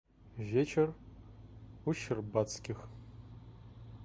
Вечер у Щербацких.